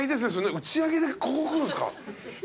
打ち上げでここ来るんすか？